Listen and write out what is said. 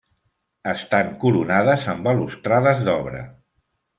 Estan coronades amb balustrades d'obra.